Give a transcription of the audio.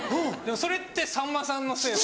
それってさんまさんのせい。